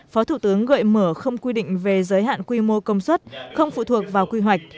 phó thủ tướng gợi mở không quy định về giới hạn quy mô công suất không phụ thuộc vào quy hoạch